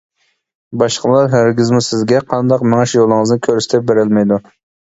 باشقىلار ھەرگىزمۇ سىزگە قانداق مېڭىش يولىڭىزنى كۆرسىتىپ بېرەلمەيدۇ.